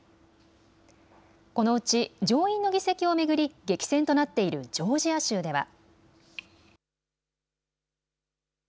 このうち上院の議席を巡り激戦となっているジョージア州では。